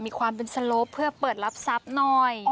มีความเป็นสโลปเพื่อเปิดรับทรัพย์หน่อย